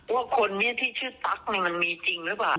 ว่าคนนี้ที่ชื่อตั๊กมันมีจริงหรือเปล่า